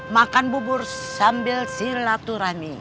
makan bubur sambil silaturahmi